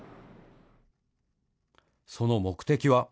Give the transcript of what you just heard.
その目的は。